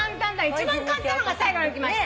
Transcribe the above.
一番簡単なのが最後にきました。